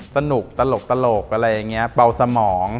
สนุกตลกอะไรอย่างนี้เบาสมอง